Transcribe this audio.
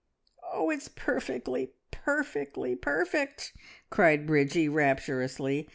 "Oh, it's perfectly, perfectly perfect!" Bridgie cried rapturously.